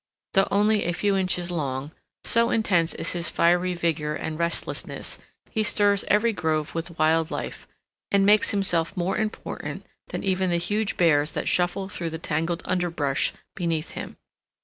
Though only a few inches long, so intense is his fiery vigor and restlessness, he stirs every grove with wild life, and makes himself more important than even the huge bears that shuffle through the tangled underbrush beneath him.